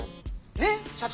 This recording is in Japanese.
ねっ社長！